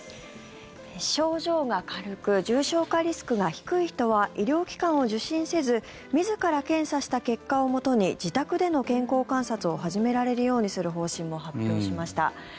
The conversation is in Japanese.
症状が軽く重症化リスクが低い人は医療機関を受診せず自ら検査した結果をもとに自宅での健康観察を始められるようにする方針も発表しました。